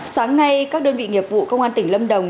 sáng nay các đơn vị nghiệp vụ công an tỉnh lâm đồng